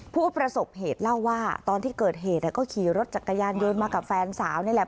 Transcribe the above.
ผู้ประสบเหตุเล่าว่าตอนที่เกิดเหตุก็ขี่รถจักรยานยนต์มากับแฟนสาวนี่แหละ